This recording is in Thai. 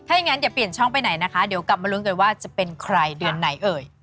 ถ้าอย่างนั้นอย่าเปลี่ยนช่องไปไหนนะคะเดี๋ยวกลับมาลุ้นกันว่าจะเป็นใครเดือนไหนเอ่ย